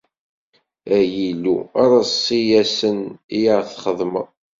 Ay Illu, reṣṣi ayen i aɣ-txedmeḍ.